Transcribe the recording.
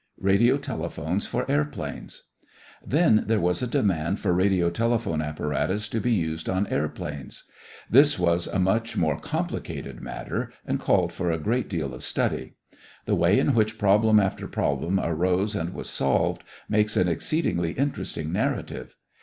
RADIOTELEPHONES FOR AIRPLANES Then there was a demand for radiotelephone apparatus to be used on airplanes. This was a much more complicated matter and called for a great deal of study. The way in which problem after problem arose and was solved makes an exceedingly interesting narrative.